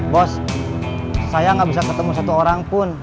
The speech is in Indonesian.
bos saya gak bisa ketemu satu orang pun